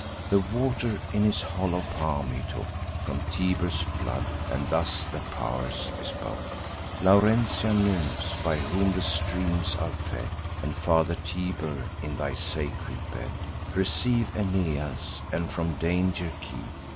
Then water in his hollow palm he took From Tiber's flood, and thus the pow'rs bespoke: "Laurentian nymphs, by whom the streams are fed, And Father Tiber, in thy sacred bed Receive Aeneas, and from danger keep.